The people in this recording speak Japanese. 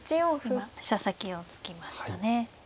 今飛車先を突きましたね。